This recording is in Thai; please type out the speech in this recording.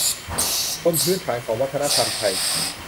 บนพื้นฐานของวัฒนธรรมไทย